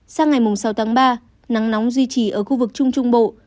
sáng ngày mùng sáu tháng ba nắng nóng duy trì ở khu vực trung trung bộ